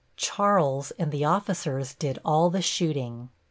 Charles and the officers did all the shooting.